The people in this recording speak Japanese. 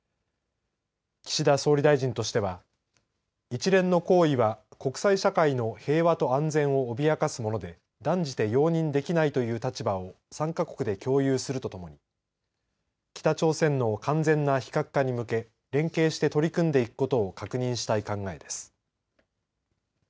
岸田総理大臣としては一連の行為は国際社会の平和と安全を脅かすもので断じて容認できないという立場を３か国で共有するとともに北朝鮮の完全な非核化に向け連携して取り組んでいくことを確認したい考えです。